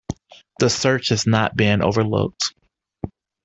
The search is not being overlooked.